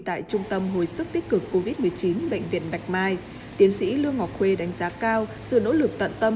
tại trung tâm hồi sức tích cực covid một mươi chín bệnh viện bạch mai tiến sĩ lương ngọc khuê đánh giá cao sự nỗ lực tận tâm